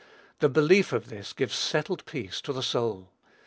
The belief of this gives settled peace to the soul.